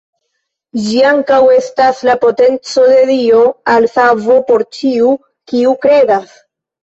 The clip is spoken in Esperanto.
Ĝi ankaŭ estas la potenco de Dio al savo por ĉiu, kiu kredas.